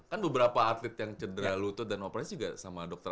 kan beberapa atlet yang cedera lutut dan operasi juga sama dokter